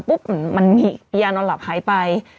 ปุ๊บมันมีไหไปแล้วก็ในสำหวับ